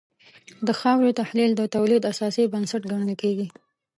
د خاورې تحلیل د تولید اساسي بنسټ ګڼل کېږي.